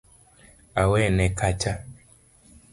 Awene kacha